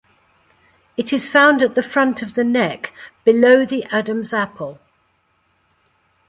It is found at the front of the neck, below the Adam's apple.